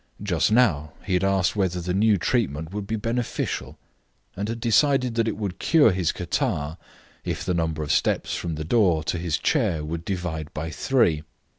Just now he had asked whether the new treatment would be beneficial, and had decided that it would cure his catarrh if the number of steps from the door to his chair would divide by three.